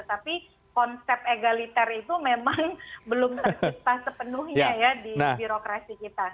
tapi konsep egaliter itu memang belum tercipta sepenuhnya ya di birokrasi kita